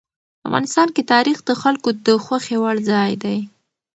افغانستان کې تاریخ د خلکو د خوښې وړ ځای دی.